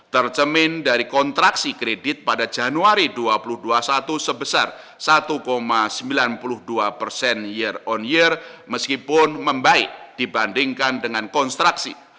tercemin dari kontraksi kredit pada januari dua ribu dua puluh satu sebesar satu sembilan puluh dua persen year on year meskipun membaik dibandingkan dengan konstruksi